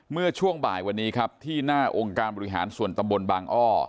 เมื่อช่วงบ่ายวันนี้ครับที่หน้าองค์การบริหารส่วนตำบลบางอ้อ